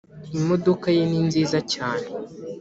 imodoka ye ni nziza cyane